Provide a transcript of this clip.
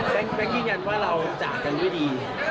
แค่คิดยันว่าเราจากกันไม่ดี